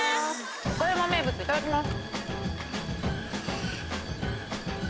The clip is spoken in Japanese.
岡山名物いただきます。